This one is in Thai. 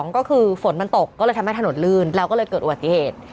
ก็คือฝนมันตกก็เลยทำให้ถนนลื่นแล้วก็เลยเกิดอุบัติเหตุ